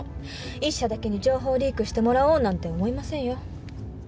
一社だけに情報をリークしてもらおうなんて思いませんよ。